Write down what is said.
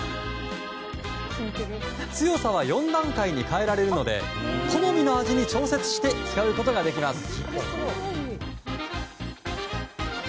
強さは４段階に変えられるので好みの味に調節して使うことができます。